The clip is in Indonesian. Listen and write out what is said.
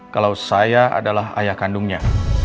kalau saya adalah ayah kandungnya